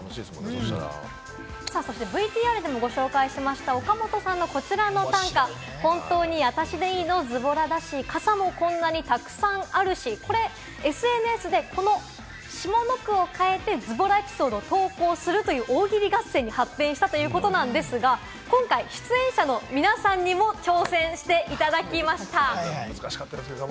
ＶＴＲでもご紹介しました岡本さんのこちらの短歌、「ほんとうにあたしでいいの？ずぼらだし傘もこんなにたくさんあるし」、これＳＮＳでこの下の句を変えて、ずぼらエピソードを投稿するという大喜利合戦に発展したということなんですが、今回、出演者の皆さんにも挑戦いただきました。